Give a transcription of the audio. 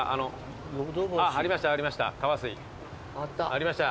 ありました。